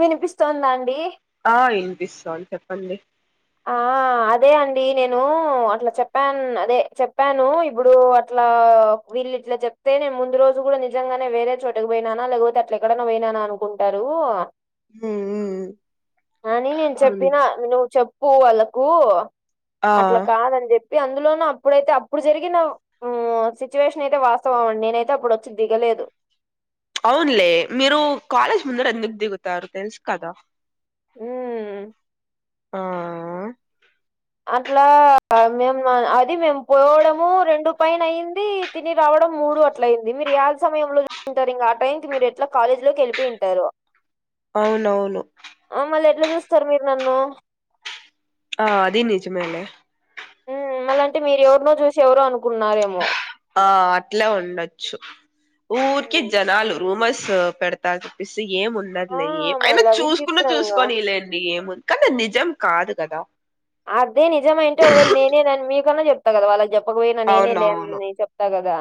వినిపిస్తుందాండి ఆ ఇనిపిస్తంది చెప్పండి ఆ అదే అండి నేను అట్లా చెప్పాన్ అదే చెప్పాను ఇప్పుడు అట్లా వీళ్లిట్లా చెప్తే నే ముందు రోజు కూడ నిజంగానే వేరే చోట పోయినాన లేకపోతే అట్ల ఎక్కడైనా పోయినాన అనుకుం టరు ఉ అని నేను అవునులే చెప్పిన నువ్ చెప్పు వాళ్ళకు ఆ అట్ల కాదని చెప్ ప్పి అందులోన అప్పుడైతే అప్పుడు జరిగిన ఊ సిచ్యువేషన్ అయితే వాస్తవం అండి నేనైతే అప్పుడు వచ్చి దిగలేదు అవున్లే మీరు కాలేజ్ ముందర ఎందుక్ దిగుతారు తెలుసు కదా ఊ ఆ అట్లా మేము అది మేము పోవడము రెండు పైన అయింది తిని రావడం మూడు అట్ల అయింది మీరు ఏళ సమయంలో తింటారు ఇంకా ఆ టైం కి మీరు ఎట్ల కాలేజీ లోకి వెలిపోయింటరు అవునవును అ మళ్ళ ఎట్ల చూస్తారు మీరు నన్ను ఆ అది నిజమేలే ఉ మళ్ళ అంటే మీరు ఎవరినో చూసి ఎవరో అనుకున్నారేమో ఆ అట్లా ఉండొచ్చు ఊరికి ఉమ్. జనాలు రూమర్స్ పెడతారు చెప్పేసి ఏం ము ఆ అన్నదిలే ఏం అయినా మళ్ళా చూసుకున్నా విచిత్రంగా చూసుకోనిలేండి ఏముంది కానీ అది నిజం కాదు కదా అదే నిజమయింటె ఒకవేళ నేనే దాన్ని మీకన్నా చెప్తా కదా వాళ్ళకి చెప్ ఒక పోయినా నేనే లే అవునవును అని చెప్తా కదా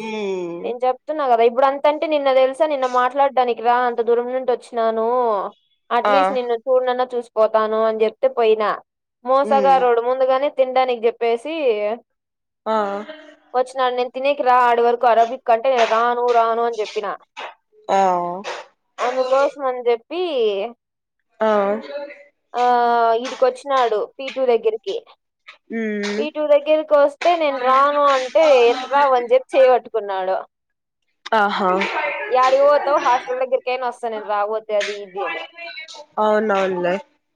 మ్మ్ నేను చెప్తున్నా కదా ఇప్పుడు అంతంటే నిన్నది దెల్ స నిన్న మాట్లాడడానికి రా అంత దూరం నుండి వచ్చినాను ఆ అట్లీస్ట్ నిన్న చూనన్నా చూసిపోతాను అని చెప్తే పోయినా మోసగ మ్మ్ రోడు ముందుగానే తినడానికి చెప్ పేసి ఆ ఆ వచ్చినా నేను తినేకి రా ఆడి వరకు అరాబి కంటే నేను రాను రాను అని చెప్పిన ఆ అందుకోసం అని చెప్పి ఆ ఆ ఇడికి వచ్చినాడు పీటుూ దగ్గరికి మ్మ్ పీటు దగ్గరికి వస్తే నేను రాను అంటే ఎట్ రావని చెప్పి చేవట్టుకున్నాడు ఆహా ఎడికి ఓతవు హాస్టెల్ దగరకయిన వస్త రా ఓతు అదిదేనే ఆ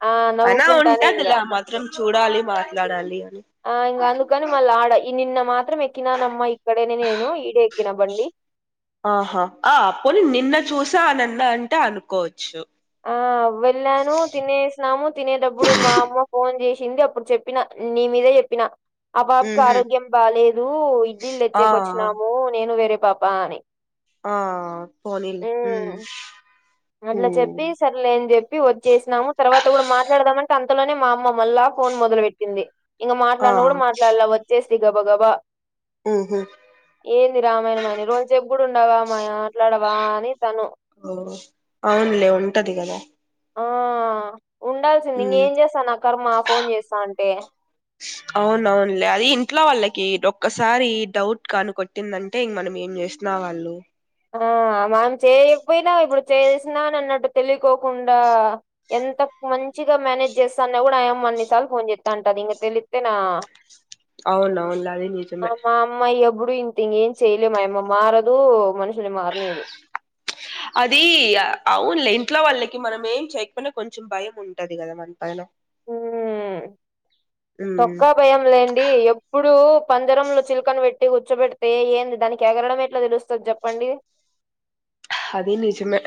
ఆ నవ్వుకుంటానే ఇంగా ఉంటదిలే ఆ మాత్రం చూడాలి మాట్లాడాలి అని ఆ ఇంకా అందుకని మళ్ళీ ఆడ ఈ నిన్న మాత్రం ఎక్కినానమ్మా ఇక్కడేనే నేను ఈడే ఎక్కిన బండి ఆహా ఆ అప్పును నిన్న చూసా ఆనన్న అంటే అనుకోవచ్చు ఆ వెళ్ళను తిన్నేసినము తినేటప్పుడు మా అమ్మ ఫోన్ చేసింది అప్పుడు చెప్పిన నీ మీదే చెప్పినా ఆ పాపకు ఉహు ఆరోగ్యం బాలేదు ఇడ్లీలు ఆ తెచ్చేకు వచ్చినాము నేను వేరే పాప అని ఆ పోనీలే ఉ హ్మ్. అట్లా చెప్పి స లే అని చెప్పి వచ్చేసినాము తర్వాత కూడా మాట్లాడదామంటే అంతలోనే మా అమ్మ మళ్ళా ఫోన్ మొదలు పెట్టింది ఇంకా ఆ మాట్లాడిన గూడ మాట్లాడలా వచ్చేసి గబా గబా ఉహు ఏంది రామాయణంని రోజసేపు కూడా ఉండవా మా మాట్లాడవా అని తను ఓ అవున్లే ఉంటది కదా ఆ ఉండాల్సింది ఉమ్ ఇంకేం చేస్తా నా కర్మ ఫోన్ చేస్తా అంటే అవునవునులే అది ఇంట్లో వాళ్ళకి ఒక్కసారి డౌట్ కాను కొట్టిందంటే అంటే ఇంక మనం ఏం చేసిన వాళ్ళు ఆ మనం చేయకపోయినాం ఇప్పుడు చేసినాను అని అన్నట్టు తెలికోకుండా ఎంత మంచిగా మేనేజ్ చేస్తా అన్నా కూడా ఆయమ్మ అన్నిసార్లు ఫోన్ చేస్తా అంటది ఇంక తెలిస్తే నా అవునవునులే అది నిజమే మా అమ్మాయి ఎప్పుడు ఇంతే ఇంగ ఏం చెయలే మాయ అమ్మ మారదు మనుషుని మారనీదు అది అవునులే ఇంట్లో వాళ్ళకి మనం ఏం చేయపోయినా కొంచెం భయం ఉంటది కదమ్ పైనా ఉమ్ తోక్కా భయం లేండి ఎప్పుడు పంజరంలో చిల్కను పెట్టి గుర్చ్చోబెడితే ఏంది దానికి ఎగరడం ఎట్లా తెలుస్తది చెప్పండి అది నిజమే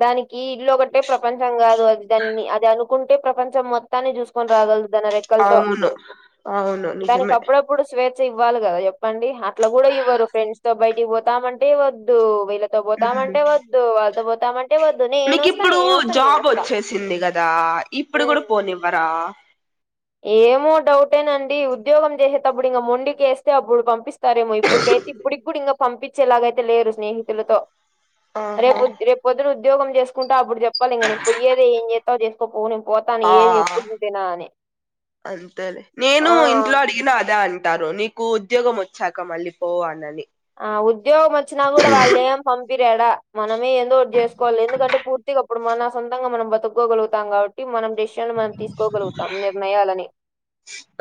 దానికి ఇల్లు ఒకటే ప్రపంచం కాదు అది దాన్ని అది అనుకుంటే ప్రపంచం మొత్తాన్ని చూసుకొని రాగలుదాన రై అవును అవును నిజమే ఇప్పుడు స్వేచ్ఛ ఇవ్వాలి కదా చెప్పండి అట్ కూడా ఇవ్వరు ఫ్రెండ్స్ తో బయటకి పోతామంటే వద్దు వళ ఉమ్ పోతమంటె వద్దు వాళ్ళతో పోతామన్ మీకు ఇప్పుడు జాబ్ వచ్చేసింది కదా ఇప్పుడు కూడా ఉమ్. పోనివ్వరా ఏమో డౌటేనండి ఉద్యోగం చేసేటప్పుడు ఇంక మొండికేస్తే అప్పుడు పంపిస్తారేమో ఇ ఇప్పుడికైతే ఇప్పుడిప్పుడు ఇంగ పంపించేలాగైతే లేరు స్నేహితులతో ఆహా రేపుద్ రేపు పొద్దున ఉద్యోగం చేసుకుంటా అప్పుడు చెప్పాలి ఇంగ పొయ్యేదే ఏం చే చేస్తావో చేసుకో పో నేను పోతా ఆ ఏమీ ఎప్పుడు నీదేనా అని అంతేలే ఆ నేను ఇంట్లో అడిగిన ఆదా అంటారు నీకు ఉద్యోగం వచ్చాక మళ్ళీ పోవనని ఆ ఉద్యోగం వచ్చినా కూడా వాళ్ళేం పంపిరాడా మనమే ఏందోఒకటి చేసుకోవాలి ఎందుకంటే పూర్తిగా అప్పుడు మన సొంతంగా మనం బతుక్కకోగలుగుతాం కాబట్ టి మనం డెసిషన్లు మనం తీసుకోగలుగుతాం నిర్ణయాలని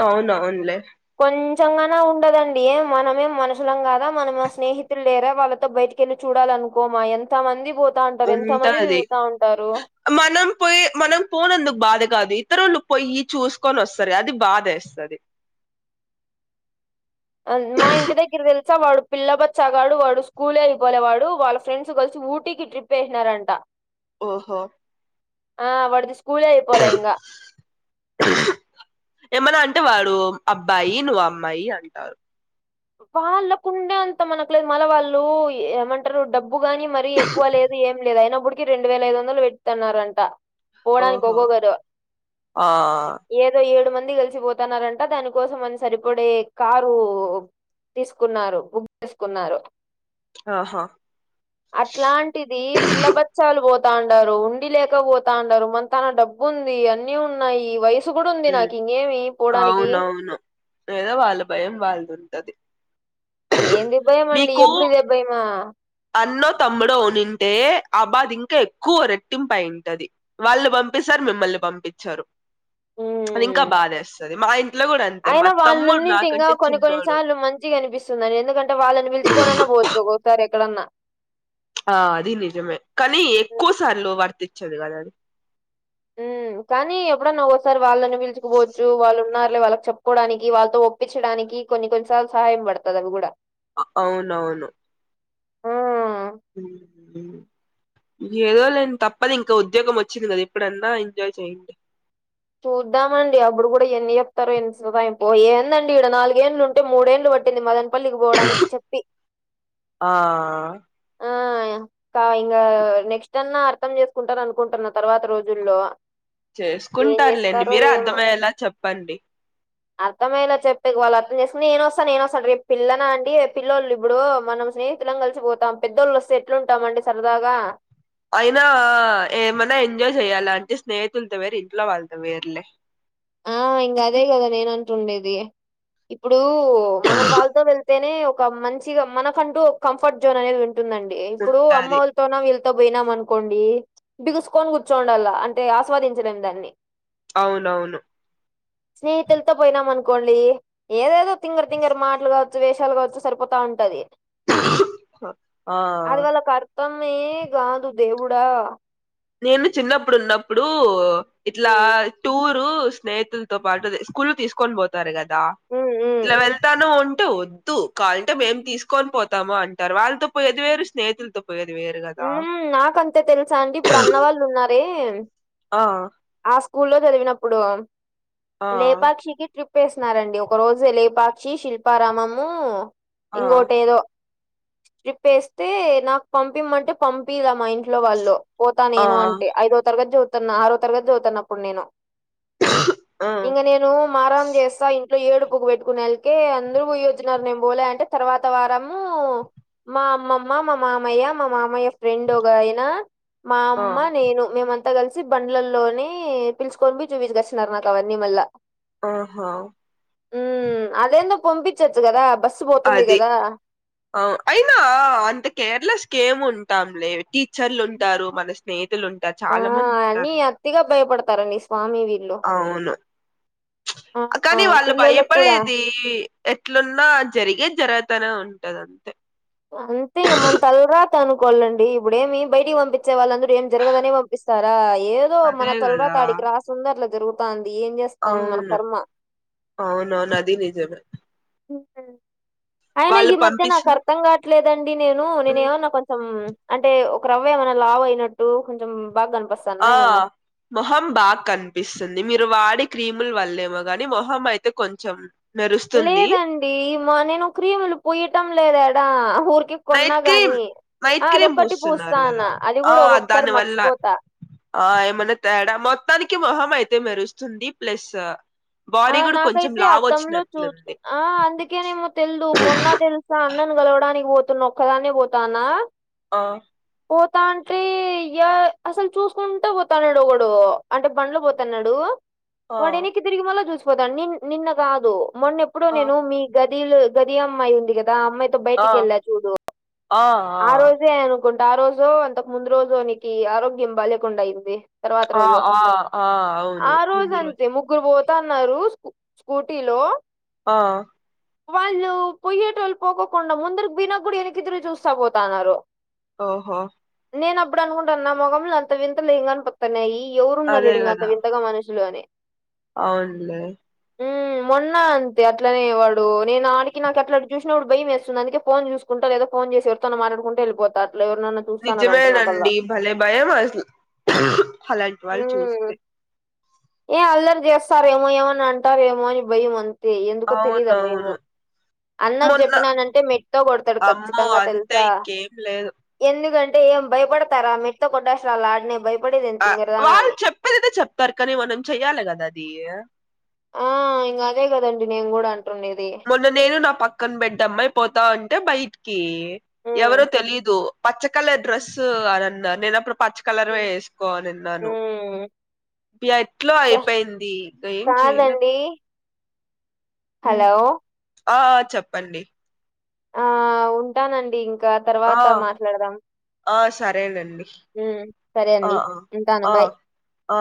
అవునవునులే కొంచెంగానా ఉండదండి మనమే మనుషులం కాదా మనం స్నేహితులు లేరా వాళ్ళతో బయటకెళ్ళి చూడాలనుకోమా ఎంత ఎంతమంది పోతా అంటారు ఎంతమంది ఉంటది తిరుగుతా ఉంటారు మనం పోయి మనం పోనందుకు బాధ కాదు ఇతరుళ్ళు పోయి చూసుకొని వస్తారు గా అది బాధ వేస్తది మా ఇంటి దగ్గర తెలుసా వాడు పిల్ల బచ్చాగాడు వాడు స్కూల్ అయిపోలే వాడు వాళ్ళ ఫ్రెండ్స్ కలిసి ఊటీకి ట్రిప్ పేసినారంట ఓహో వాడిది స్కూలే అయిపోలే ఇంగా ఏమనా అంటే వాడు అబ్బాయి నువ్ అమ్మాయి అంటారు వాళ్ళకుండే అంత మనకు లేదు మల వాళ్ళు ఏమంట అంటారు డబ్బు గాని మరీ ఎక్కువ లేదు ఏం లేదు అయినప్పుటికి రెండు వేల ఐదు వందలు పెట్టుతున్నారంట పోడానికి ఓహో ఒగోగరు ఆ ఏదో ఏడు మంది కలిసిపోతున్నారంట దానికోసం అని సరిపడే కారు తీసుకున్నారు బుక్ చేసుకున్నారు ఆహా అట్లాంటిది పిల్ల బచ్చాలు పోతాండారు ఉండి లేక పోతాండారు మ తన డబ్బు ఉంది అన్నీ ఉన్నాయి వయసు కూడా ఉంది ఉమ్ నాకు ఇంగేమి పోడానికి లేదా వాళ్ళ భయం వాళ్ళది ఉంటది ఏంది భయం అండి మీకు ఎబ్బుడు ఇదే భయమా అన్నో తమ్ముడో ఉనింటె ఆబాద ఇంకా ఎక్కువ రెట్టింపు అయింటది వాళ్ళు పంపిస్తారు మిమ్మల్ని పంపించారు అది ఇంక ఉమ్ బాధేస్తది మా ఇంట్లో కూడ అం అయినా వాళ్ళు ఉన్నింటే ఇంకా కొన్ని కొన్నిసార్లు మంచిగ అనిపిస్తుంది ఎందుకంటే వాళ్ళని పిలుచుకోనన్న పోత్ ఒగోగసారి ఎక్కడన్న ఆ అది నిజమే కానీ ఉమ్ ఎక్కువ సార్లు వర్తిచ్చదు కదా అది ఉ కానీ ఎప్పుడన్న ఒగోసారి వాళ్ళని పిలుచుకోపోవచ్చు వాళ్ళు ఉన్నారులే వాళ్ళకి చెప్పుకోవడానికి వాళ్ళతో ఇప్పించడానికి కొన్ని కొన్నిసార్లు సహాయం పడుతది అది కూడ అవునవును ఆ ఉ ఏదో [unintelligible] తప్పదు ఇంకా ఉద్యోగం వచ్చింది కదా ఇప్పుడన్నా ఎంజాయ్ చేయండి చూద్దామండి అప్పుడు కూడ ఎన్ని చెప్తారో ఎంత సో ఏందండి ఇడ నాలుగేండ్లు ఉంటే మూడేళ్లు పట్టింది మదన్ ప్పల్లికి పోడానికి చెప్పి ఆ ఆ కా ఇంగా నెక్స్ట్ అన్నా అర్థం చేసుకుంటారు అనుకుంటున్నా తర్వాత రోజుల్లో ఏం చేసుకుంటారులేండి చేస్తారో మీరే అర్థమయ్యేలా చెప్పండి అర్థమయ్యలా చెప్పేకి వాళ్ళు అర్థం చేసుకుని నే వస్తను నేను వస్తా అంట రేపు పిల్లన అండి పిల్లోల్లు ఇప్పుడు మనం స్నే ఇద్దరం కలిసిపోతాం పెద్దోళ్ళుస్తే ఎట్లుంటాంమండి సరదాగ అయినా ఏమన్న ఎంజాయ్ చెయ్యాలా అంటే స్నేహితులతో వేరు ఇంట్లో వాళ్ళతో వేర్లే ఆ ఇంగ అదే కదా నేను అంటుండేది ఇప్పుడు మనం వాళ్ళతో వెళ్తేనే ఒక మంచిగా మనకంటూ ఒక కంఫర్ట్ జోన్ అనేది ఉం ఉంటుందండి ఇప్పుడు ఉంటది అమ్మోల్ తోనో వీళ్ళతో పోయినాం అనుకోండి బిగుసుకొని కూర్చోండల్ల అంటే ఆస్వాదించలేం దాన్ని అవునవును స్నేహితులతో పోయినాం అనుకోండి ఏదేదో తింగరి తింగరి మాటలు కావచ్చు వేషాలు కావచ్చు సరిపోతా ఉంటది ఆ అది వాళ్ళకు అర్థమే కాదు దేవుడా నేను చిన్నప్పుడు ఉన్నప్పుడు ఇట్ల ఉమ్ టూ తో స్నేహితులతో పాటు స్కూల్ తీసుకని పోతారు కదా ఉమ్ ఉమ్ [unintelligible] తను ఉంటే వద్దు కాలంటే మేము తీసుకొని పోతాము అం అంటారు వాళ్ళతో పోయేది వేరు స్నేహితులతో పోయేది వేరు కదా ఉమ్ [unintelligible] తెలుసా అండి ఇప్పుడు అన్న వాళ్ళు ఉన్నారే ఆ ఆ స్కూల్ లో చదివినప్పుడు ఆ లేపాక్షికి ట్రి [unintelligible] నారండి ఒక రోజు లేపాక్షి శిల్పారామము ఆ ఇంకోటి ఏదో [unintelligible] ప్పేస్తే నాకు పంపిమంటే పంపిదా మా ఇంట్లో వాళ్ళు పోతా ఆ నేను అంటే ఐదో తరగతి చదువుతన్న ఆరో తరగతి చదువుతాను అప్పుడు నేను ఆ ఇంగ నేను మరాం చేస్తా ఇ ఏడుపుకు పెట్టుకునే [unintelligible] అందరు పోయ్యొచ్చినన్నారు నేను పోలే అంటే తర్వాత వారము మా అమ్మమ్మ మా మామయ్య మా మామయ్య ఫ్రెండ్ ఒగాయన మా ఆ అమ్మ నేను మేమం అంత కలిసి బండ్లల్లోనే పిల్చుకొని పోయి చూపించకచ్చిన్నారు నాకు అవన్నీ మల్ల ఆహా ఉమ్మ్ అది ఏందో పంపిచచ్చు కదా బస్సు పోతుంది అది కదా ఆ అయినా అంత కేర్లెస్గా ఏమ్ ఉంటాంలే టీచర్లు ఉంటారు మన స్నేహితులు ఉం ట చాలా మంది ఉంటారు ట్టిగా భయపడతారండి స్వామి వీ అవును ఆ ఆ కానీ వాళ్ళు పిల్లోళ్ళకి కూడా భయపడేది ఎట్లున్నా జరిగేది జరగతానే ఉంటది అంతే అంతే ఇంగ మన తలరా తా అనుకోవాలండి ఇప్పుడేమి బయటికి పంపిచే వాళ్ళందరూ ఏం జరగదనే పంపిస్తారా ఏ దో మన అదే కదా తలరాత ఆడికి రాసుంది అట్లా జరుగుతంది ఏం చేస్త అవును అవునవును అది నిజమే ఇంకేం అయినా వాళ్ళు ఈ మధ్య నాకు పంపించిన అర్థం కావట్లేదండి నేను నేనేమన్నా కొంచెం అంటే ఒక రవ్వ ఏమన్న లావు అయినట్టు కొంచెం బాగా కనిపిస్తు ఆ మొహం బాగ కనిపిస్తుంది మీరు వాడే క్రీములు వల్లేమో గాని మొహం అయితే కొంచెం మెరుస్తుంది లేదండి మా నేను క్రీములు పుయ్యటం లేద్యాడా ఊరికే నైట్ కొన్నా క్రీమ్ గాని నైట్ ఆ క్రీమ్ అదొక్కటి పూస్తా పూస్తున్నారు ఉన్న కదా అది ఆ కూడా ఒక్కొక్కసారి దాని వల్ల మర్చిపోతా ఆ ఏమన్నా తేడా మొత్తానికి మొహం అయితే మెరుస్తుంది ప్లస్ ఆ బాడీ కూడా కొంచెం నాకైతే లావు అద్దంలో చూ వచ్చినట్లుంది ఆ అందుకేనేమో తెల్దు మొన్న తెలు సా అన్నను గలవడానికి పోతున్నా ఒక్కదాన్నే పోతాన్నా ఆ పోతాంటే యా అసలు చూసుకుంటా పోతాన్నడు ఒకడు అంటే బండ్లో పోతన్నాడు ఆ వాడు ఎనిక్కి తిరిగి మళ్ళ చూసిపోతాండు నిన్ నిన్న కాదు మొన్న ఎప్పుడో ఆ నేను మీ గదిలో గది అమ్మాయి ఉంది కదా ఆ అమ్మాయితో ఆ బయటికేళ్ళా చూడు ఆ ఆరోజే అను కుంట ఆరోజు అంతకు ముందు రోజు నీకి ఆరోగ్యం బాలెకుండా అయింది తర్వాత ఆ ఆ రోజు ఆ ఆ అవును ఆరోజు ముందు రోజు అంతే ము గ్గురు పోతన్నారు స్కూ స్కూటీలో ఆ వాళ్ళు పొయ్యేటోళ్ళు పోకోకుండా ముందరికి పొయినక కూడా ఎనకి తిరిగి చూస్తా పోతన్నారు ఓహో నేను అప్పుడు అనుకుంటాను నా ముఖంలో అంత వింతలేం కని పిత్తున్నాయి ఎవరు ఉన్నారు అదే ఈడ ఇంగ అంత కదా వింతగా మనుషులు అని అవునులే ఉమ్మ్ మొన్న అంతే అట్లానే వాడు నేను ఆనికి నాకు అట్లట్లా చూసినపుడు భయమేస్తుంది అందుకే ఫోన్ చూసు కుంటా లేదా ఫోన్ చేసి ఎవరితో అన్న మాట్లాడుకుంటూ ఎళ్ళిపోతా అట్ల ఎవరినన్నా చూస్తాన్నారంటే నాకల్లా నిజమేనండి భలే భయం అసలు అలాంటి వాళ్ళు మ్మ్ చూస్తే ఏ అల్లరి చేస్తారు ఏమో ఏమన్న అంటారేమో అని భయం అం తే ఎందుకో తెలిదు ఆ భయము అవునవును అన్నకు మొన్న చెప్పినానంటే మెట్తో కొడతాడు అమ్మో ఖచ్చితంగా అంతే తెలుసా ఇంకేం లేదు ఎందుకంటే ఏం భయపడతారా మెట్తో కొట్టడాసలు అడ్నే భయపడేది ఏంది తింగరదానా చెప్పనైతే చెప్తారు కానీ మనం చెయ్యాలి కదా అది ఆ ఇంకా అదే కదండి నేను కూడా అంటుండేది మొన్న నేను నా పక్కన బెడ్ అమ్మయి పోతాంటే బయటికి హ్మ్. ఎవరో తెలీదు పచ్చ కలర్ డ్రెస్ అని అన్నా నేన అప్పుడు పచ్చ కలర్ ఓకే. వేసుకోనిన్నాను హ్మ్. ఇగ ఎట్లో క అయిపోయింది ఇగ ఏం చెయం కాదండి. హలో ఆ చెప్పండి ఆ ఉంటానండి ఇంకా ఆ తర్వాత మాట్లాడదాం ఆ సరేనండి హ్మ్. సరే ఆ అండి. ఉంటాను. ఆ బాయ్. ఆ